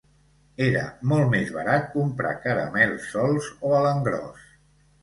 Era molt més barat comprar caramels solts o a l'engròs.